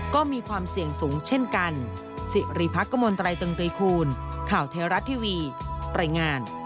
ก็มีความเสี่ยงสูงเช่นกัน